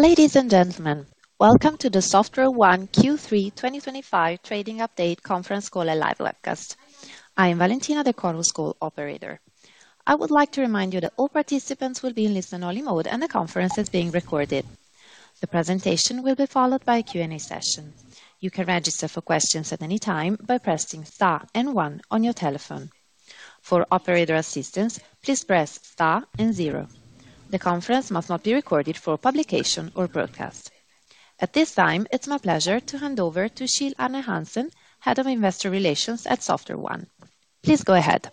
Ladies and gentlemen, welcome to the SoftwareOne Q3 2025 trading update conference call and live webcast. I am Valentina, the Chorus Call Operator. I would like to remind you that all participants will be in listen-only mode and the conference is being recorded. The presentation will be followed by a Q&A session. You can register for questions at any time by pressing star and one on your telephone. For operator assistance, please press star and zero. The conference must not be recorded for publication or broadcast. At this time, it's my pleasure to hand over to Kjell Arne Hansen, Head of Investor Relations at SoftwareOne. Please go ahead.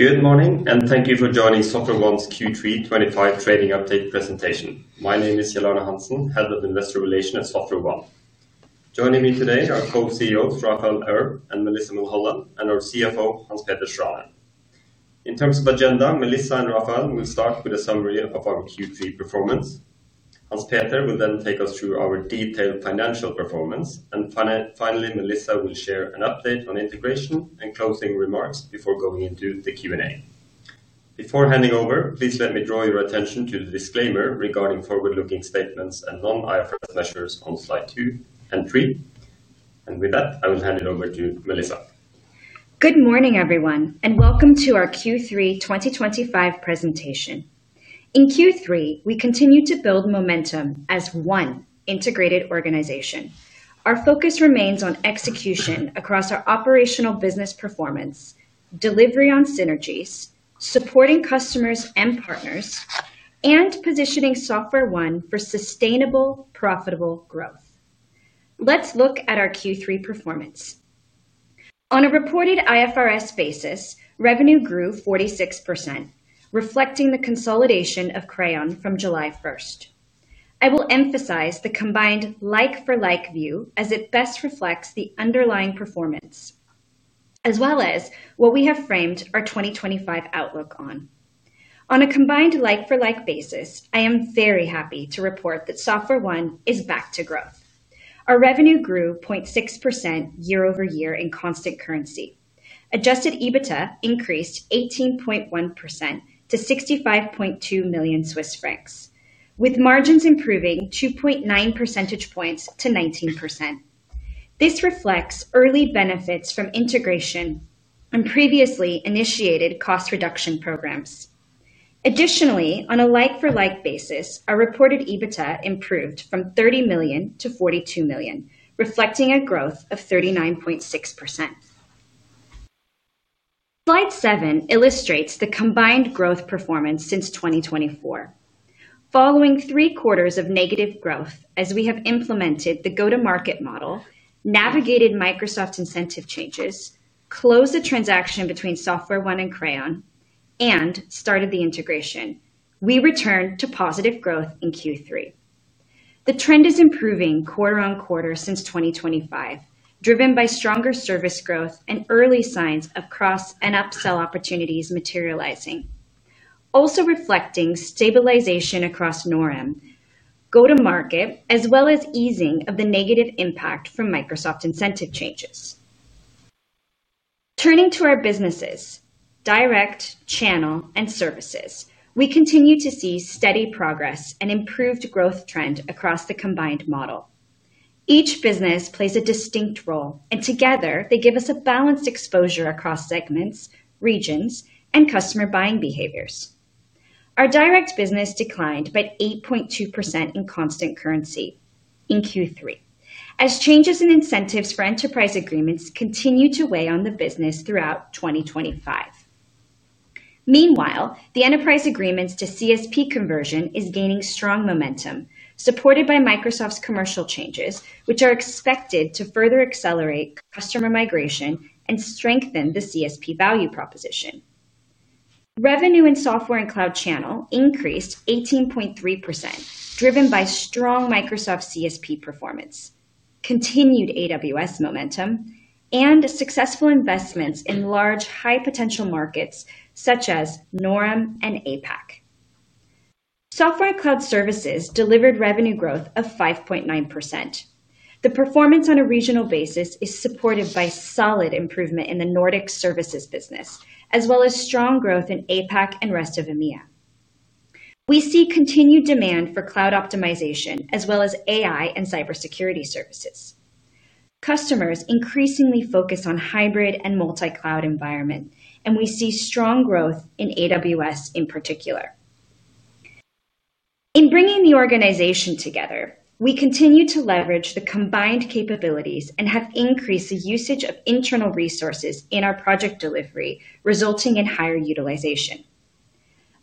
Good morning and thank you for joining SoftwareOne's Q3 2025 trading update presentation. My name is Kjell Arne Hansen, Head of Investor Relations at SoftwareOne. Joining me today are Co-CEOs Raphael Erb and Melissa Mulholland and our CFO, Hanspeter Schraner. In terms of agenda, Melissa and Raphael will start with a summary of our Q3 performance. Hanspeter will then take us through our detailed financial performance, and finally, Melissa will share an update on integration and closing remarks before going into the Q&A. Before handing over, please let me draw your attention to the disclaimer regarding forward-looking statements and non-IFRS measures on slide two and three. With that, I will hand it over to Melissa. Good morning, everyone, and welcome to our Q3 2025 presentation. In Q3, we continue to build momentum as one integrated organization. Our focus remains on execution across our operational business performance, delivery on synergies, supporting customers and partners, and positioning SoftwareOne for sustainable, profitable growth. Let's look at our Q3 performance. On a reported IFRS basis, revenue grew 46%, reflecting the consolidation of Crayon from July 1st. I will emphasize the combined like-for-like view as it best reflects the underlying performance, as well as what we have framed our 2025 outlook on. On a combined like-for-like basis, I am very happy to report that SoftwareOne is back to growth. Our revenue grew 0.6% year-over-year in constant currency. Adjusted EBITDA increased 18.1% to 65.2 million Swiss francs, with margins improving 2.9 percentage points to 19%. This reflects early benefits from integration and previously initiated cost reduction programs. Additionally, on a like-for-like basis, our reported EBITDA improved from 30 million-42 million, reflecting a growth of 39.6%. Slide seven illustrates the combined growth performance since 2024, following three quarters of negative growth as we have implemented the go-to-market model, navigated Microsoft incentive changes, closed the transaction between SoftwareOne and Crayon and started the integration. We returned to positive growth in Q3. The trend is improving quarter on quarter since 2025, driven by stronger service growth and early signs of cross and upsell opportunities materializing, also reflecting stabilization across NORAM, go-to-market, as well as easing of the negative impact from Microsoft incentive changes. Turning to our businesses, direct, channel, and services, we continue to see steady progress and improved growth trend across the combined model. Each business plays a distinct role, and together they give us a balanced exposure across segments, regions, and customer buying behaviors. Our direct business declined by 8.2% in constant currency in Q3, as changes in incentives for enterprise agreements continue to weigh on the business throughout 2025. Meanwhile, the enterprise agreements to CSP conversion is gaining strong momentum, supported by Microsoft's commercial changes, which are expected to further accelerate customer migration and strengthen the CSP value proposition. Revenue in software and cloud channel increased 18.3%, driven by strong Microsoft CSP performance, continued AWS momentum, and successful investments in large high-potential markets such as NORAM and APAC. Software and cloud services delivered revenue growth of 5.9%. The performance on a regional basis is supported by solid improvement in the Nordic services business, as well as strong growth in APAC and rest of EMEA. We see continued demand for cloud optimization, as well as AI and cybersecurity services. Customers increasingly focus on hybrid and multi-cloud environments, and we see strong growth in AWS in particular. In bringing the organization together, we continue to leverage the combined capabilities and have increased the usage of internal resources in our project delivery, resulting in higher utilization.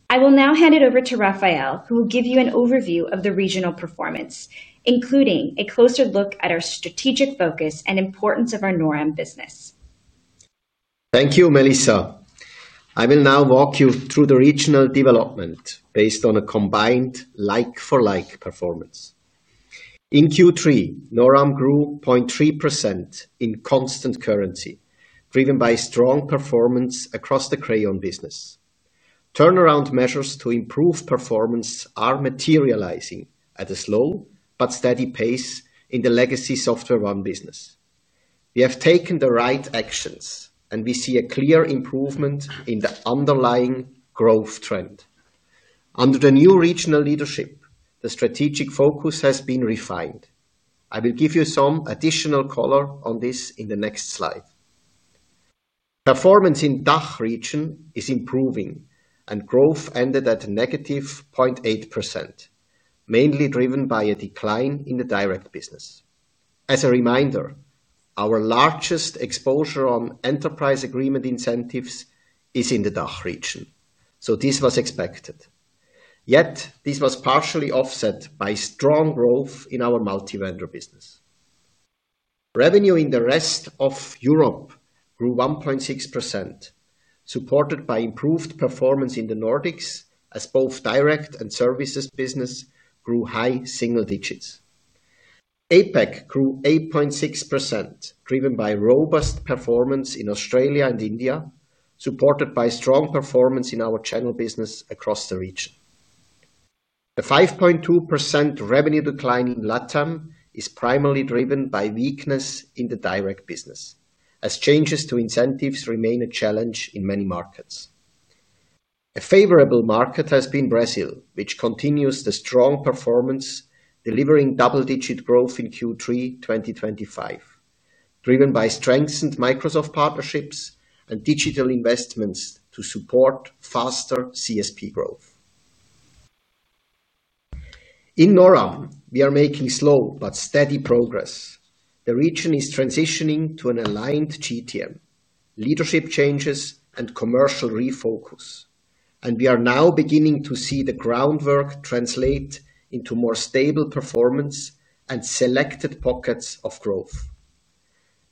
I will now hand it over to Raphael, who will give you an overview of the regional performance, including a closer look at our strategic focus and importance of our NORAM business. Thank you, Melissa. I will now walk you through the regional development based on a combined like-for-like performance. In Q3, NORAM grew 0.3% in constant currency, driven by strong performance across the Crayon business. Turnaround measures to improve performance are materializing at a slow but steady pace in the legacy SoftwareOne business. We have taken the right actions, and we see a clear improvement in the underlying growth trend. Under the new regional leadership, the strategic focus has been refined. I will give you some additional color on this in the next slide. Performance in the DACH region is improving, and growth ended at a negative 0.8%, mainly driven by a decline in the direct business. As a reminder, our largest exposure on enterprise agreement incentives is in the DACH region, so this was expected. Yet, this was partially offset by strong growth in our multi-vendor business. Revenue in the rest of Europe grew 1.6%, supported by improved performance in the Nordics, as both direct and services business grew high single digits. APAC grew 8.6%, driven by robust performance in Australia and India, supported by strong performance in our channel business across the region. The 5.2% revenue decline in LATAM is primarily driven by weakness in the direct business, as changes to incentives remain a challenge in many markets. A favorable market has been Brazil, which continues the strong performance, delivering double-digit growth in Q3 2025, driven by strengthened Microsoft partnerships and digital investments to support faster CSP growth. In NORAM, we are making slow but steady progress. The region is transitioning to an aligned GTM, leadership changes, and commercial refocus, and we are now beginning to see the groundwork translate into more stable performance and selected pockets of growth.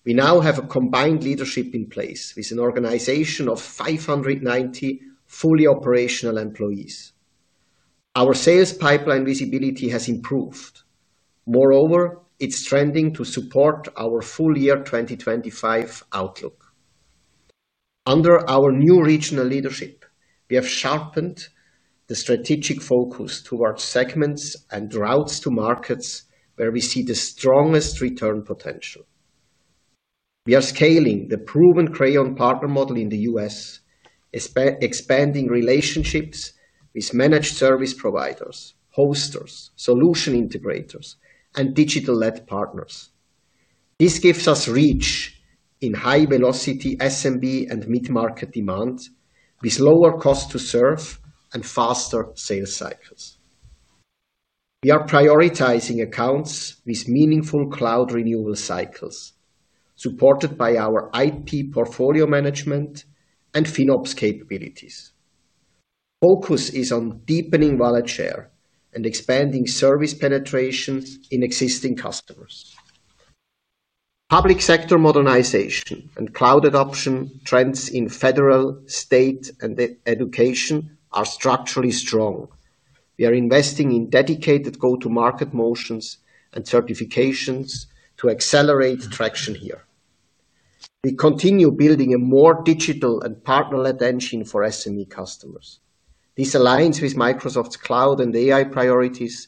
We now have a combined leadership in place with an organization of 590 fully operational employees. Our sales pipeline visibility has improved. Moreover, it's trending to support our full year 2025 outlook. Under our new regional leadership, we have sharpened the strategic focus towards segments and routes to markets where we see the strongest return potential. We are scaling the proven Crayon partner model in the US, expanding relationships with managed service providers, hosters, solution integrators, and digital-led partners. This gives us reach in high-velocity SMB and mid-market demand with lower cost to serve and faster sales cycles. We are prioritizing accounts with meaningful cloud renewal cycles, supported by our IP portfolio management and FinOps capabilities. Focus is on deepening wallet share and expanding service penetrations in existing customers. Public sector modernization and cloud adoption trends in federal, state, and education are structurally strong. We are investing in dedicated go-to-market motions and certifications to accelerate traction here. We continue building a more digital and partner-led engine for SME customers. This aligns with Microsoft's cloud and AI priorities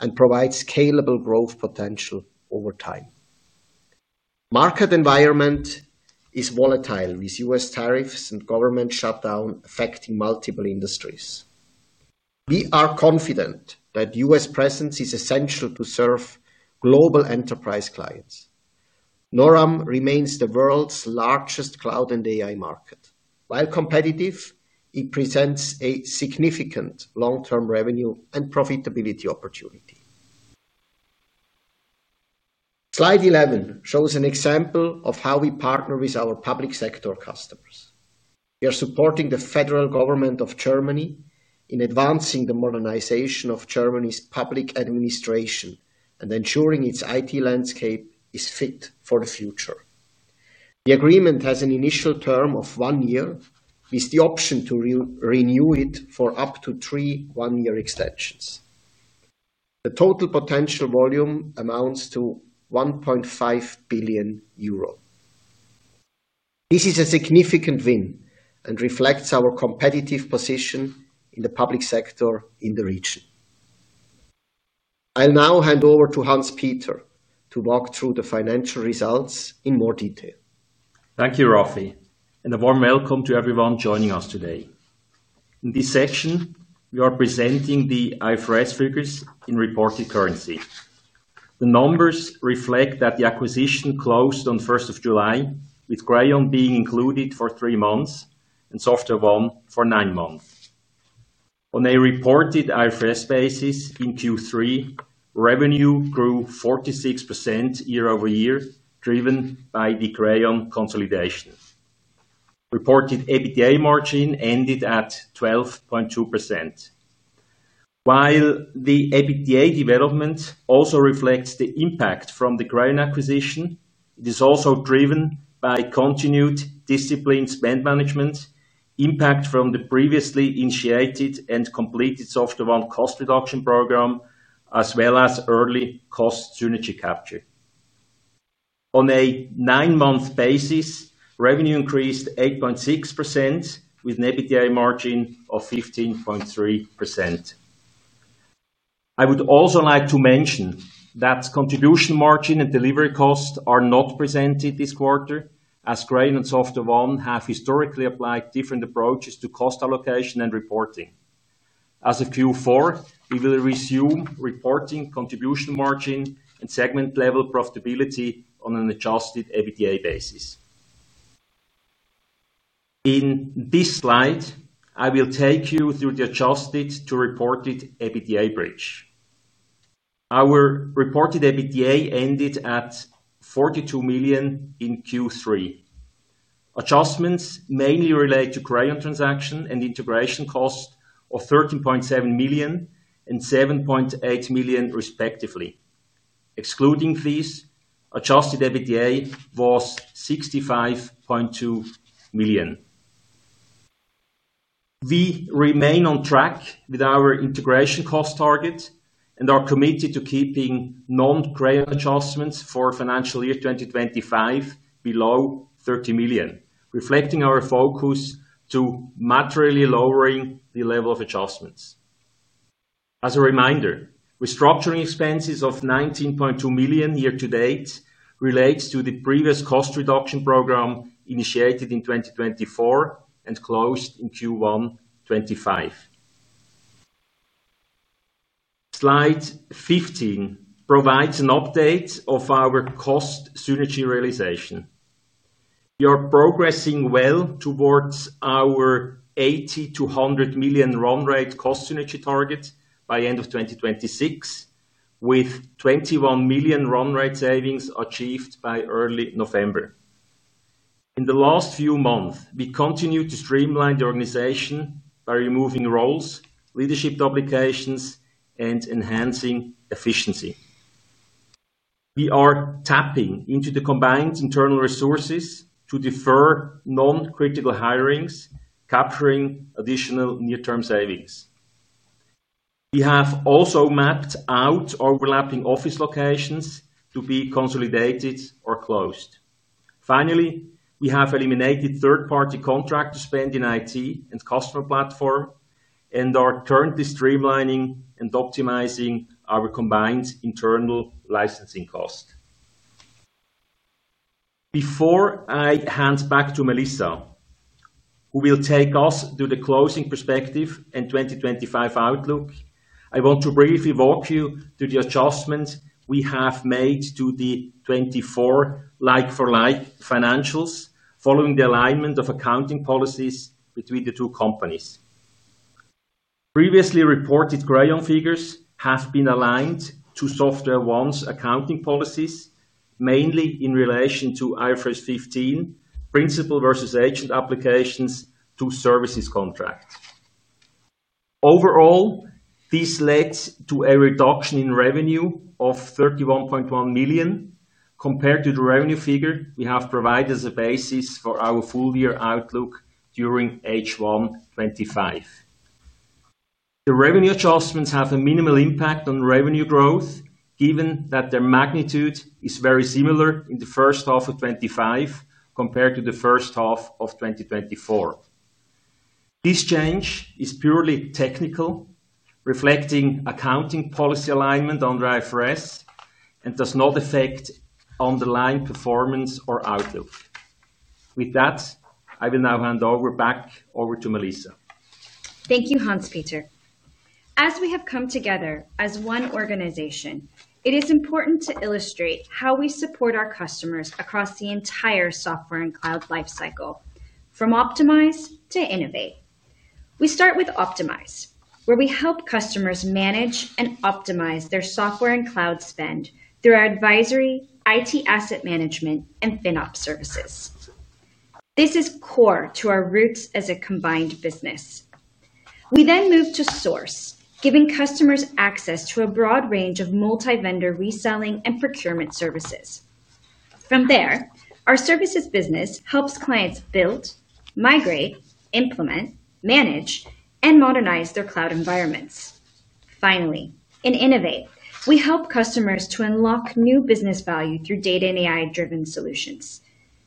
and provides scalable growth potential over time. The market environment is volatile with U.S. tariffs and government shutdown affecting multiple industries. We are confident that U.S. presence is essential to serve global enterprise clients. NORAM remains the world's largest cloud and AI market. While competitive, it presents a significant long-term revenue and profitability opportunity. Slide 11 shows an example of how we partner with our public sector customers. We are supporting the federal government of Germany in advancing the modernization of Germany's public administration and ensuring its IT landscape is fit for the future. The agreement has an initial term of one year with the option to renew it for up to three one-year extensions. The total potential volume amounts to 1.5 billion euro. This is a significant win and reflects our competitive position in the public sector in the region. I'll now hand over to Hanspeter to walk through the financial results in more detail. Thank you, Rafi, and a warm welcome to everyone joining us today. In this section, we are presenting the IFRS figures in reported currency. The numbers reflect that the acquisition closed on 1st of July, with Crayon being included for three months and SoftwareOne for nine months. On a reported IFRS basis, in Q3, revenue grew 46% year-over-year, driven by the Crayon consolidation. Reported EBITDA margin ended at 12.2%. While the EBITDA development also reflects the impact from the Crayon acquisition, it is also driven by continued discipline spend management, impact from the previously initiated and completed SoftwareOne cost reduction program, as well as early cost synergy capture. On a nine-month basis, revenue increased 8.6% with an EBITDA margin of 15.3%. I would also like to mention that contribution margin and delivery costs are not presented this quarter, as Crayon and SoftwareOne have historically applied different approaches to cost allocation and reporting. As of Q4, we will resume reporting contribution margin and segment-level profitability on an adjusted EBITDA basis. In this slide, I will take you through the adjusted to reported EBITDA bridge. Our reported EBITDA ended at 42 million in Q3. Adjustments mainly relate to Crayon transaction and integration cost of 13.7 million and 7.8 million, respectively. Excluding these, adjusted EBITDA was CHF 65.2 million. We remain on track with our integration cost target and are committed to keeping non-Crayon adjustments for financial year 2025 below 30 million, reflecting our focus to materially lowering the level of adjustments. As a reminder, restructuring expenses of 19.2 million year to date relates to the previous cost reduction program initiated in 2024 and closed in Q1 2025. Slide 15 provides an update of our cost synergy realization. We are progressing well towards our 80 million-100 million run rate cost synergy target by the end of 2026, with 21 million run rate savings achieved by early November. In the last few months, we continue to streamline the organization by removing roles, leadership duplications, and enhancing efficiency. We are tapping into the combined internal resources to defer non-critical hirings, capturing additional near-term savings. We have also mapped out overlapping office locations to be consolidated or closed. Finally, we have eliminated third-party contract to spend in IT and customer platform and are currently streamlining and optimizing our combined internal licensing cost. Before I hand back to Melissa, who will take us through the closing perspective and 2025 outlook, I want to briefly walk you through the adjustments we have made to the 2024 like-for-like financials following the alignment of accounting policies between the two companies. Previously reported Crayon figures have been aligned to SoftwareOne's accounting policies, mainly in relation to IFRS 15, principal versus agent applications to services contract. Overall, this led to a reduction in revenue of 31.1 million compared to the revenue figure we have provided as a basis for our full year outlook during H1 2025. The revenue adjustments have a minimal impact on revenue growth, given that their magnitude is very similar in the first half of 2025 compared to the first half of 2024. This change is purely technical, reflecting accounting policy alignment under IFRS and does not affect underlying performance or outlook. With that, I will now hand back over to Melissa. Thank you, Hanspeter. As we have come together as one organization, it is important to illustrate how we support our customers across the entire software and cloud lifecycle, from optimize to innovate. We start with optimize, where we help customers manage and optimize their software and cloud spend through our advisory, IT asset management, and FinOps services. This is core to our roots as a combined business. We then move to source, giving customers access to a broad range of multi-vendor reselling and procurement services. From there, our services business helps clients build, migrate, implement, manage, and modernize their cloud environments. Finally, in innovate, we help customers to unlock new business value through data and AI-driven solutions.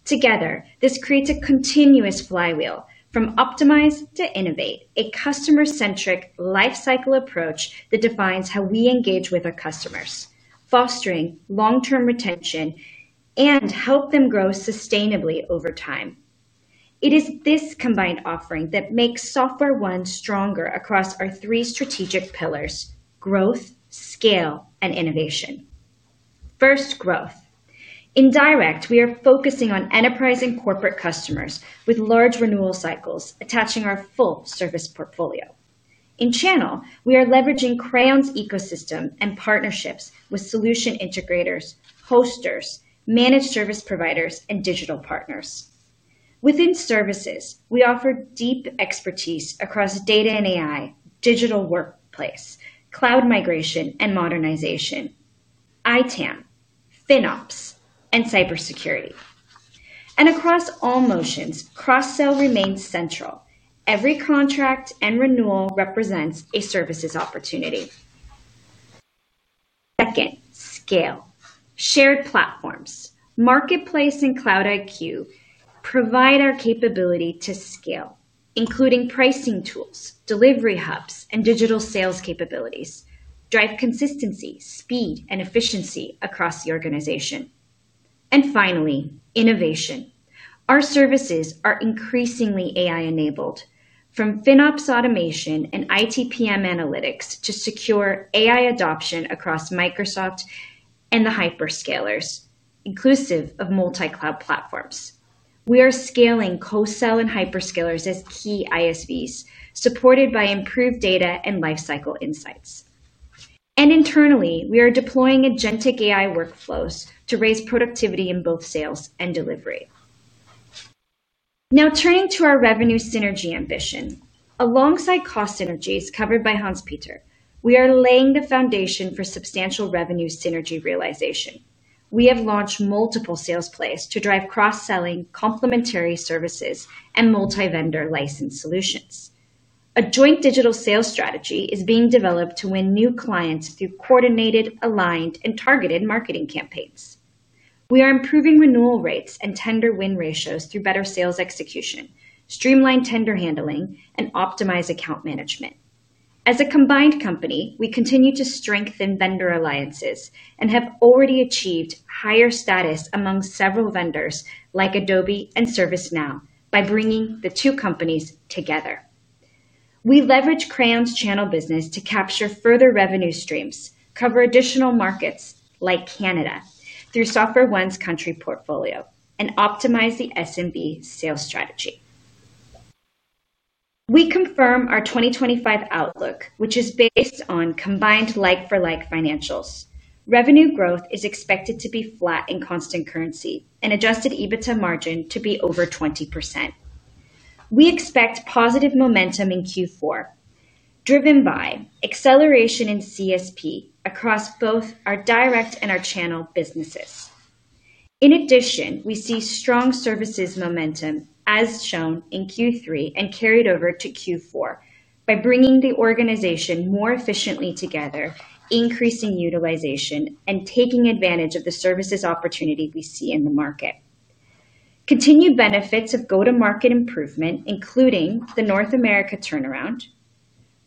Together, this creates a continuous flywheel from optimize to innovate, a customer-centric lifecycle approach that defines how we engage with our customers, fostering long-term retention and helping them grow sustainably over time. It is this combined offering that makes SoftwareOne stronger across our three strategic pillars: growth, scale, and innovation. First, growth. In direct, we are focusing on enterprise and corporate customers with large renewal cycles, attaching our full service portfolio. In channel, we are leveraging Crayon's ecosystem and partnerships with solution integrators, hosters, managed service providers, and digital partners. Within services, we offer deep expertise across data and AI, digital workplace, cloud migration and modernization, ITAM, FinOps, and cybersecurity. Across all motions, cross-sell remains central. Every contract and renewal represents a services opportunity. Second, scale. Shared platforms, marketplace, and CloudIQ provide our capability to scale, including pricing tools, delivery hubs, and digital sales capabilities, drive consistency, speed, and efficiency across the organization. Finally, innovation. Our services are increasingly AI-enabled, from FinOps automation and ITPM analytics to secure AI adoption across Microsoft and the hyperscalers, inclusive of multi-cloud platforms. We are scaling co-sell and hyperscalers as key ISVs, supported by improved data and lifecycle insights. Internally, we are deploying agentic AI workflows to raise productivity in both sales and delivery. Now, turning to our revenue synergy ambition, alongside cost synergies covered by Hanspeter, we are laying the foundation for substantial revenue synergy realization. We have launched multiple sales plays to drive cross-selling, complementary services, and multi-vendor license solutions. A joint digital sales strategy is being developed to win new clients through coordinated, aligned, and targeted marketing campaigns. We are improving renewal rates and tender win ratios through better sales execution, streamlined tender handling, and optimized account management. As a combined company, we continue to strengthen vendor alliances and have already achieved higher status among several vendors like Adobe and ServiceNow by bringing the two companies together. We leverage Crayon's channel business to capture further revenue streams, cover additional markets like Canada through SoftwareOne's country portfolio, and optimize the SMB sales strategy. We confirm our 2025 outlook, which is based on combined like-for-like financials. Revenue growth is expected to be flat in constant currency and adjusted EBITDA margin to be over 20%. We expect positive momentum in Q4, driven by acceleration in CSP across both our direct and our channel businesses. In addition, we see strong services momentum, as shown in Q3 and carried over to Q4 by bringing the organization more efficiently together, increasing utilization, and taking advantage of the services opportunity we see in the market. Continued benefits of go-to-market improvement, including the North America turnaround,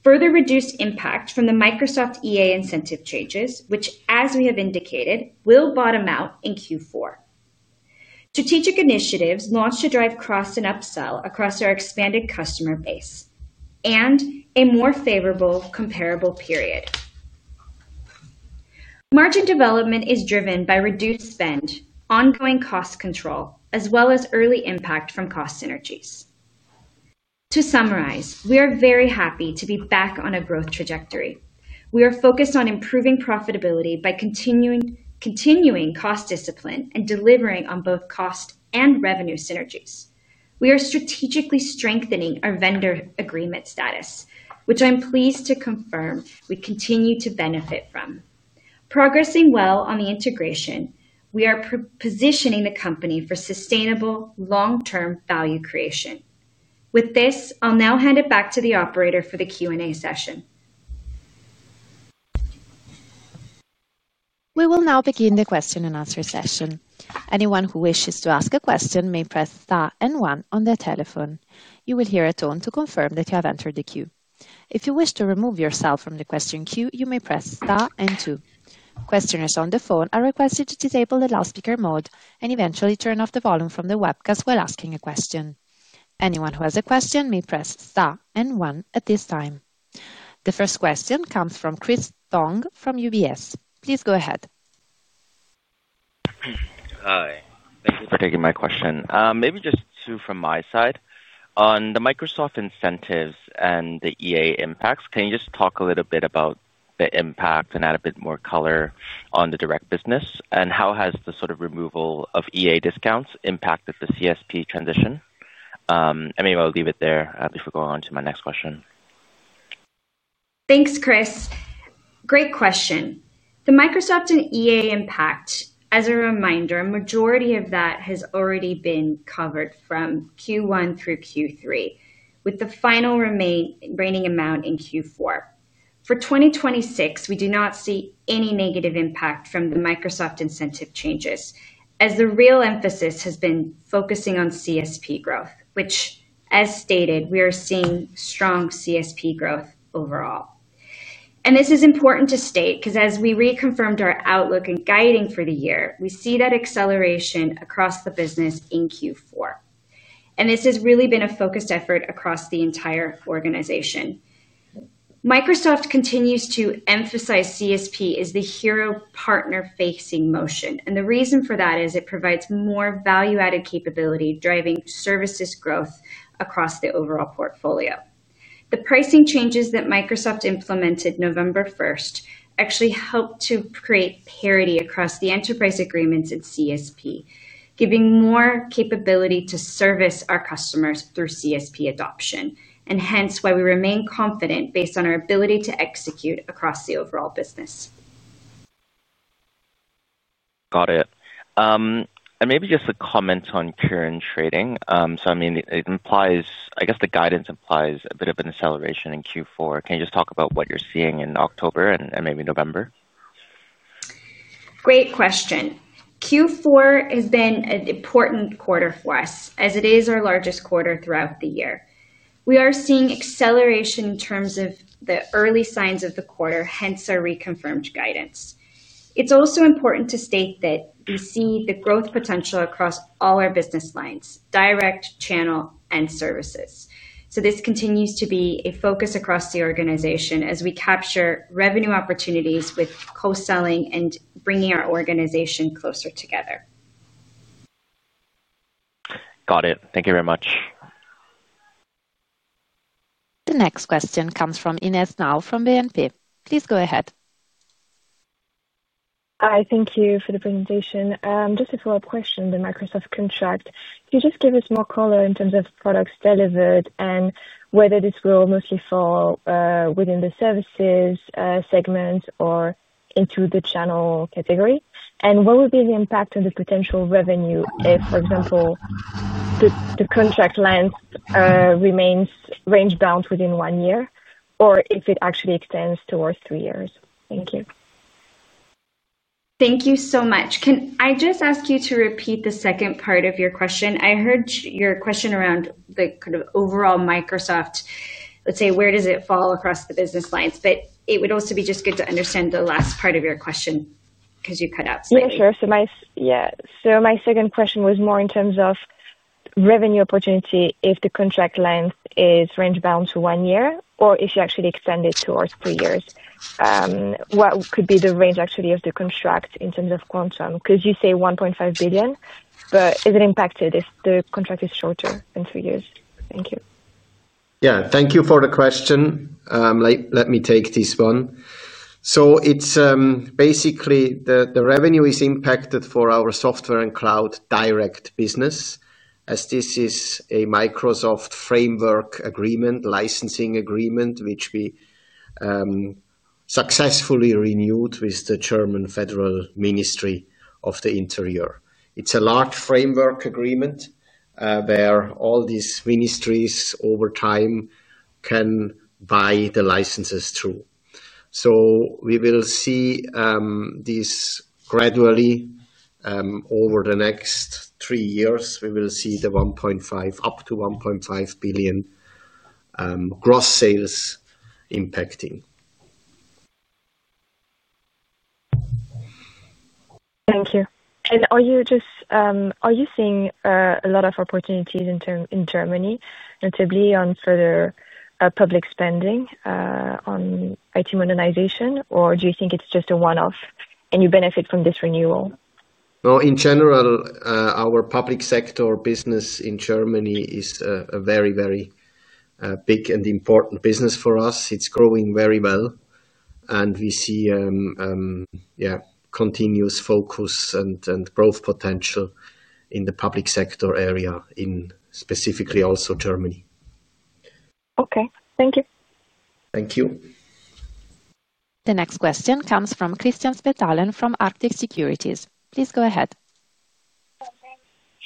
further reduced impact from the Microsoft EA incentive changes, which, as we have indicated, will bottom out in Q4. Strategic initiatives launched to drive cross and upsell across our expanded customer base and a more favorable comparable period. Margin development is driven by reduced spend, ongoing cost control, as well as early impact from cost synergies. To summarize, we are very happy to be back on a growth trajectory. We are focused on improving profitability by continuing cost discipline and delivering on both cost and revenue synergies. We are strategically strengthening our vendor agreement status, which I'm pleased to confirm we continue to benefit from. Progressing well on the integration, we are positioning the company for sustainable long-term value creation. With this, I'll now hand it back to the operator for the Q&A session. We will now begin the question and answer session. Anyone who wishes to ask a question may press star and one on their telephone. You will hear a tone to confirm that you have entered the queue. If you wish to remove yourself from the question queue, you may press star and two. Questioners on the phone are requested to disable the loudspeaker mode and eventually turn off the volume from the webcast while asking a question. Anyone who has a question may press star and one at this time. The first question comes from Chris Tong from UBS. Please go ahead. Hi. Thank you for taking my question. Maybe just two from my side. On the Microsoft incentives and the EA impacts, can you just talk a little bit about the impact and add a bit more color on the direct business, and how has the sort of removal of EA discounts impacted the CSP transition? Maybe I'll leave it there before going on to my next question. Thanks, Chris. Great question. The Microsoft and EA impact, as a reminder, a majority of that has already been covered from Q1 through Q3, with the final remaining amount in Q4. For 2026, we do not see any negative impact from the Microsoft incentive changes, as the real emphasis has been focusing on CSP growth, which, as stated, we are seeing strong CSP growth overall. This is important to state because, as we reconfirmed our outlook and guiding for the year, we see that acceleration across the business in Q4. This has really been a focused effort across the entire organization. Microsoft continues to emphasize CSP as the hero partner-facing motion. The reason for that is it provides more value-added capability, driving services growth across the overall portfolio. The pricing changes that Microsoft implemented November 1st actually helped to create parity across the enterprise agreements at CSP, giving more capability to service our customers through CSP adoption, and hence why we remain confident based on our ability to execute across the overall business. Got it. Maybe just a comment on current trading. I mean, it implies, I guess the guidance implies a bit of an acceleration in Q4. Can you just talk about what you're seeing in October and maybe November? Great question. Q4 has been an important quarter for us, as it is our largest quarter throughout the year. We are seeing acceleration in terms of the early signs of the quarter, hence our reconfirmed guidance. It is also important to state that we see the growth potential across all our business lines: direct, channel, and services. This continues to be a focus across the organization as we capture revenue opportunities with co-selling and bringing our organization closer together. Got it. Thank you very much. The next question comes from Inès Mao from BNP. Please go ahead. Hi. Thank you for the presentation. Just a follow-up question on the Microsoft contract. Can you just give us more color in terms of products delivered and whether this will mostly fall within the services segment or into the channel category? What would be the impact on the potential revenue if, for example, the contract length remains range-bound within one year or if it actually extends towards three years? Thank you. Thank you so much. Can I just ask you to repeat the second part of your question? I heard your question around the kind of overall Microsoft, let's say, where does it fall across the business lines? It would also be just good to understand the last part of your question because you cut out. Yeah, sure. My second question was more in terms of revenue opportunity if the contract length is range-bound to one year or if you actually extend it towards three years. What could be the range, actually, of the contract in terms of quantum? Because you say 1.5 billion, but is it impacted if the contract is shorter than three years? Thank you. Yeah. Thank you for the question. Let me take this one. It is basically the revenue is impacted for our software and cloud direct business, as this is a Microsoft framework agreement, licensing agreement, which we successfully renewed with the German Federal Ministry of the Interior. It is a large framework agreement where all these ministries over time can buy the licenses through. We will see this gradually over the next three years. We will see up to 1.5 billion gross sales impacting. Thank you. Are you just seeing a lot of opportunities in Germany, notably on further public spending on IT modernization, or do you think it's just a one-off and you benefit from this renewal? In general, our public sector business in Germany is a very, very big and important business for us. It's growing very well, and we see, yeah, continuous focus and growth potential in the public sector area, specifically also Germany. Okay. Thank you. Thank you. The next question comes from Kristian Spetalen from Arctic Securities. Please go ahead.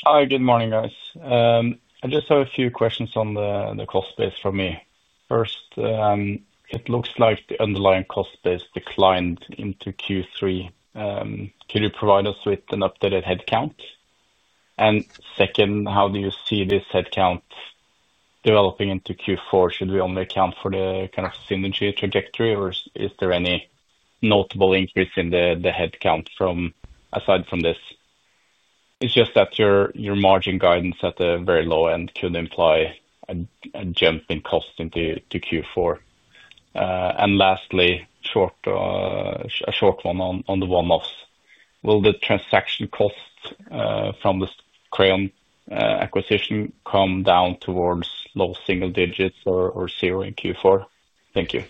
Hi. Good morning, guys. I just have a few questions on the cost base for me. First, it looks like the underlying cost base declined into Q3. Can you provide us with an updated headcount? Second, how do you see this headcount developing into Q4? Should we only account for the kind of synergy trajectory, or is there any notable increase in the headcount aside from this? It is just that your margin guidance at a very low end could imply a jump in cost into Q4. Lastly, a short one on the one-offs. Will the transaction cost from the Crayon acquisition come down towards low single digits or zero in Q4? Thank you.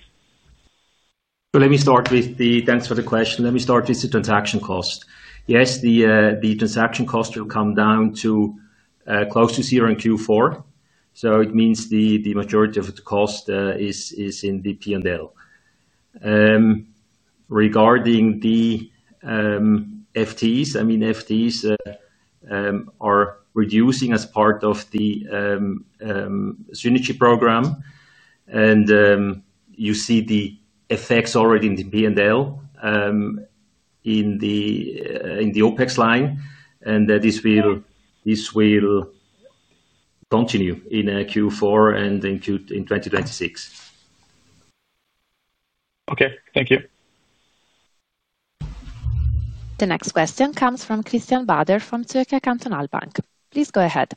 Let me start with the thanks for the question. Let me start with the transaction cost. Yes, the transaction cost will come down to close to zero in Q4. It means the majority of the cost is in the P&L. Regarding the FTs, I mean, FTs are reducing as part of the synergy program. You see the effects already in the P&L in the OpEx line. This will continue in Q4 and in 2026. Okay. Thank you. The next question comes from Christian Bader from Zürcher Kantonalbank. Please go ahead.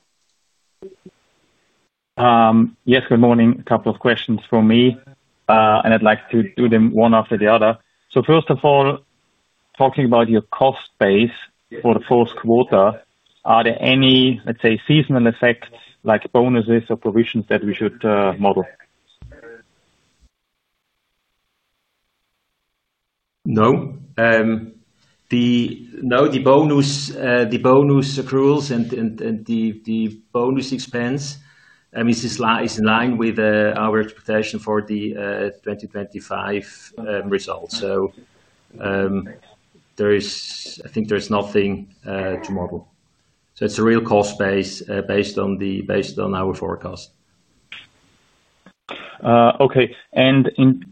Yes. Good morning. A couple of questions for me, and I'd like to do them one after the other. First of all, talking about your cost base for the fourth quarter, are there any, let's say, seasonal effects like bonuses or provisions that we should model? No. No, the bonus accruals and the bonus expense, I mean, is in line with our expectation for the 2025 results. I think there's nothing to model. It's a real cost base based on our forecast. Okay.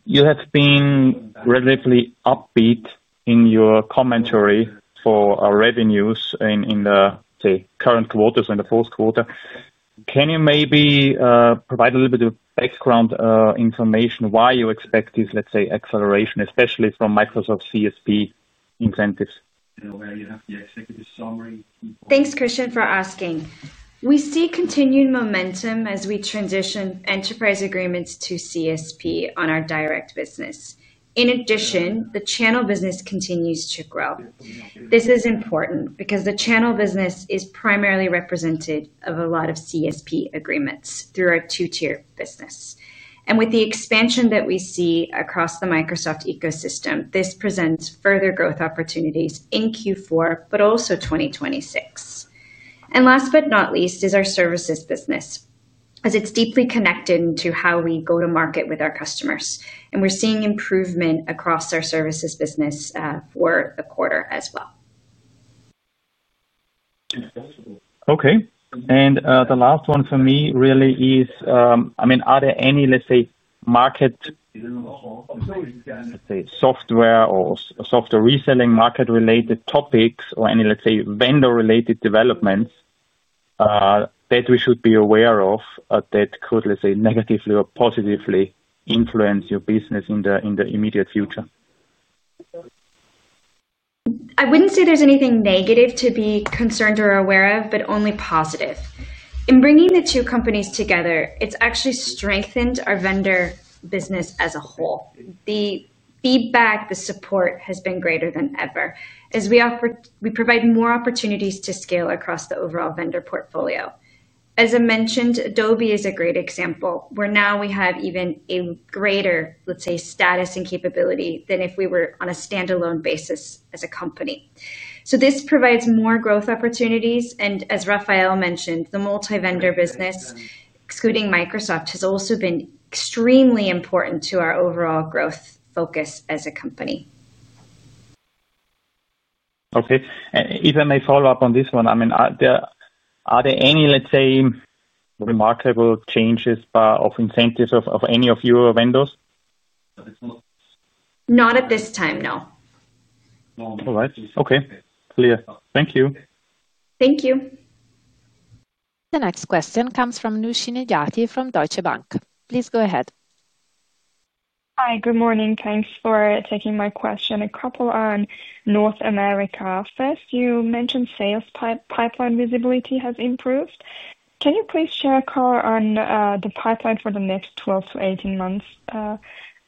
You have been relatively upbeat in your commentary for revenues in the current quarter and the fourth quarter. Can you maybe provide a little bit of background information why you expect this, let's say, acceleration, especially from Microsoft CSP incentives? Thanks, Christian, for asking. We see continued momentum as we transition enterprise agreements to CSP on our direct business. In addition, the channel business continues to grow. This is important because the channel business is primarily representative of a lot of CSP agreements through our two-tier business. With the expansion that we see across the Microsoft ecosystem, this presents further growth opportunities in Q4, but also 2026. Last but not least is our services business, as it is deeply connected to how we go to market with our customers. We are seeing improvement across our services business for the quarter as well. Okay. The last one for me really is, I mean, are there any, let's say, market, let's say, software or software reselling market-related topics or any, let's say, vendor-related developments that we should be aware of that could, let's say, negatively or positively influence your business in the immediate future? I wouldn't say there's anything negative to be concerned or aware of, but only positive. In bringing the two companies together, it's actually strengthened our vendor business as a whole. The feedback, the support has been greater than ever, as we provide more opportunities to scale across the overall vendor portfolio. As I mentioned, Adobe is a great example, where now we have even a greater, let's say, status and capability than if we were on a standalone basis as a company. This provides more growth opportunities. As Raphael mentioned, the multi-vendor business, excluding Microsoft, has also been extremely important to our overall growth focus as a company. Okay. If I may follow up on this one, I mean, are there any, let's say, remarkable changes of incentives of any of your vendors? Not at this time, no. All right. Okay. Clear. Thank you. Thank you. The next question comes from [Nushina Jati] from Deutsche Bank. Please go ahead. Hi. Good morning. Thanks for taking my question. A couple on North America. First, you mentioned sales pipeline visibility has improved. Can you please share a call on the pipeline for the next 12-18 months,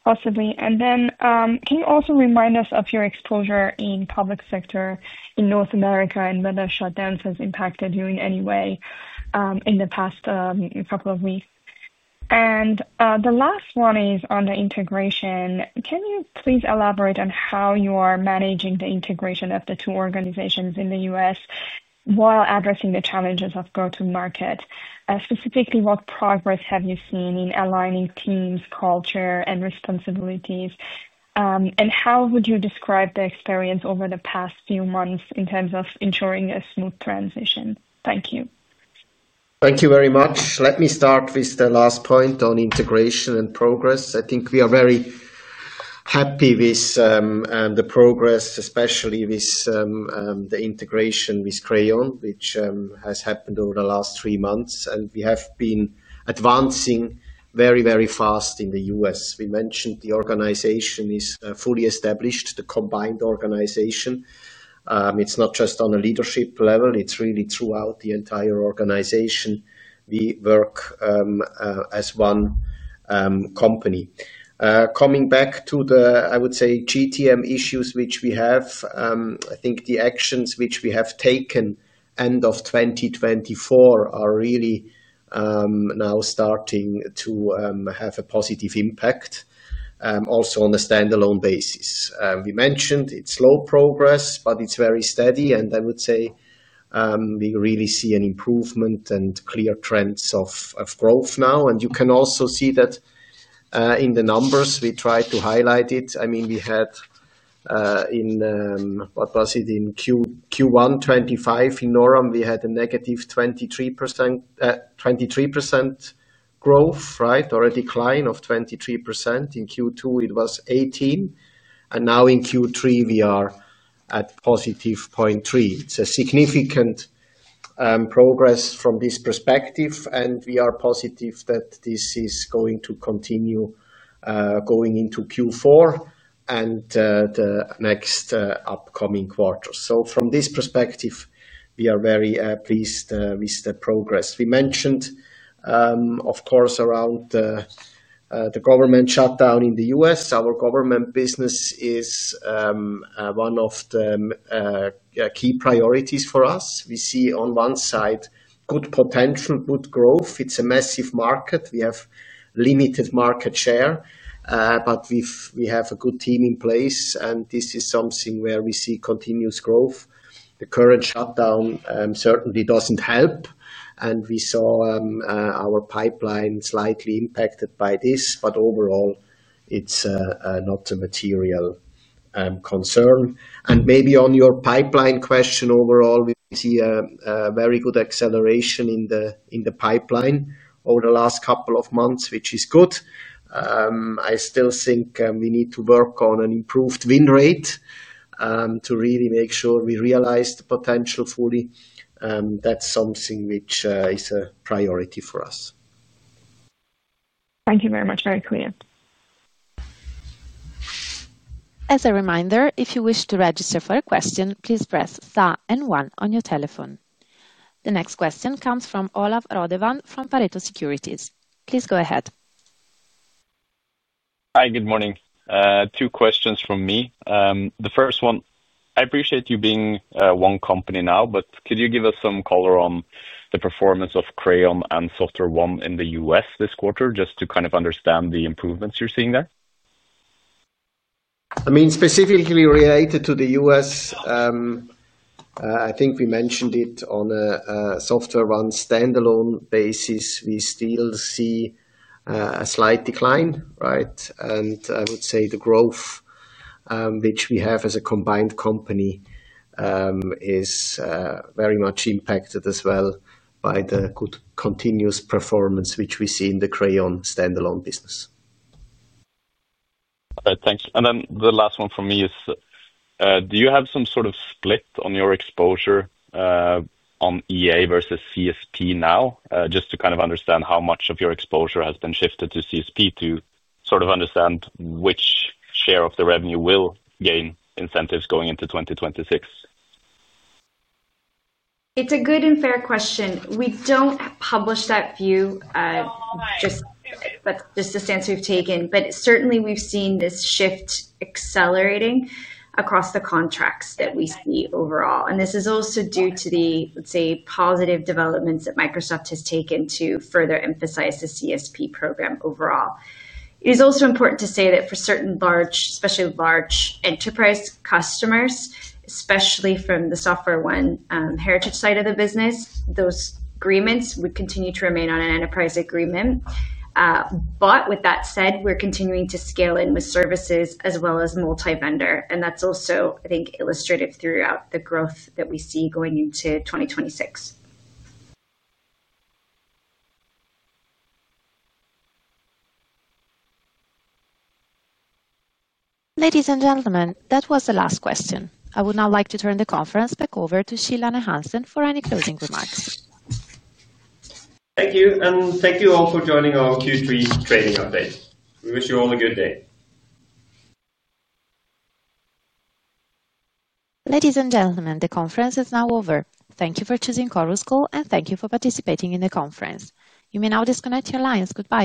possibly? Can you also remind us of your exposure in public sector in North America and whether shutdowns have impacted you in any way in the past couple of weeks? The last one is on the integration. Can you please elaborate on how you are managing the integration of the two organizations in the US while addressing the challenges of go-to-market? Specifically, what progress have you seen in aligning teams, culture, and responsibilities? How would you describe the experience over the past few months in terms of ensuring a smooth transition? Thank you. Thank you very much. Let me start with the last point on integration and progress. I think we are very happy with the progress, especially with the integration with Crayon, which has happened over the last three months. We have been advancing very, very fast in the U.S. We mentioned the organization is fully established, the combined organization. It is not just on a leadership level. It is really throughout the entire organization. We work as one company. Coming back to the, I would say, GTM issues which we have, I think the actions which we have taken end of 2024 are really now starting to have a positive impact also on a standalone basis. We mentioned it is slow progress, but it is very steady. I would say we really see an improvement and clear trends of growth now. You can also see that in the numbers. We tried to highlight it. I mean, we had in, what was it, in Q1 2025 in North America, we had a negative 23% growth, right, or a decline of 23%. In Q2, it was 18%. And now in Q3, we are at positive 0.3%. It is a significant progress from this perspective. We are positive that this is going to continue going into Q4 and the next upcoming quarter. From this perspective, we are very pleased with the progress. We mentioned, of course, around the government shutdown in the U.S., our government business is one of the key priorities for us. We see on one side good potential, good growth. It is a massive market. We have limited market share, but we have a good team in place. This is something where we see continuous growth. The current shutdown certainly does not help. We saw our pipeline slightly impacted by this. Overall, it's not a material concern. Maybe on your pipeline question, overall, we see a very good acceleration in the pipeline over the last couple of months, which is good. I still think we need to work on an improved win rate to really make sure we realize the potential fully. That's something which is a priority for us. Thank you very much. Very clear. As a reminder, if you wish to register for a question, please press star and one on your telephone. The next question comes from Olav Rødevand from Pareto Securities. Please go ahead. Hi. Good morning. Two questions from me. The first one, I appreciate you being one company now, but could you give us some color on the performance of Crayon and SoftwareOne in the US this quarter just to kind of understand the improvements you're seeing there? I mean, specifically related to the U.S., I think we mentioned it on a SoftwareOne standalone basis, we still see a slight decline, right? I would say the growth which we have as a combined company is very much impacted as well by the good continuous performance which we see in the Crayon standalone business. Thanks. The last one for me is, do you have some sort of split on your exposure on EA versus CSP now, just to kind of understand how much of your exposure has been shifted to CSP to sort of understand which share of the revenue will gain incentives going into 2026? It's a good and fair question. We don't publish that view, but just the stance we've taken. Certainly, we've seen this shift accelerating across the contracts that we see overall. This is also due to the, let's say, positive developments that Microsoft has taken to further emphasize the CSP program overall. It is also important to say that for certain large, especially large enterprise customers, especially from the SoftwareOne Heritage side of the business, those agreements would continue to remain on an enterprise agreement. With that said, we're continuing to scale in with services as well as multi-vendor. That's also, I think, illustrative throughout the growth that we see going into 2026. Ladies and gentlemen, that was the last question. I would now like to turn the conference back over to Kjell Arne Hansen for any closing remarks. Thank you. Thank you all for joining our Q3 training update. We wish you all a good day. Ladies and gentlemen, the conference is now over. Thank you for choosing Chorus Call, and thank you for participating in the conference. You may now disconnect your lines too.